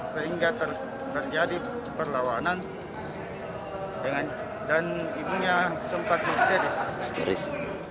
sehingga terjadi perlawanan dan ibunya sempat misterius